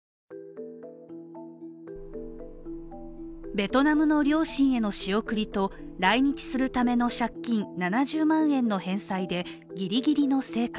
ベトナムの両親への仕送りと、来日するための借金７０万円の返済でギリギリの生活。